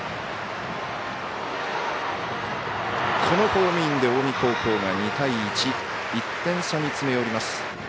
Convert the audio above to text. このホームインで、近江高校が２対１、１点差に詰め寄ります。